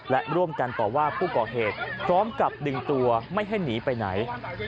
และร่วมกันต่อว่าผู้ก่อเหตุพร้อมกับดึงตัวไม่ให้หนีไปไหน